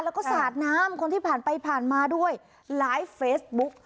แล้วก็สาดน้ำคนที่ผ่านไปผ่านมาด้วยไลฟ์เฟซบุ๊ก